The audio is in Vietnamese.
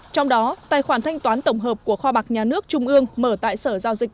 trong đó tài khoản thanh toán tổng hợp của kho bạc nhà nước trung ương mở tại sở giao dịch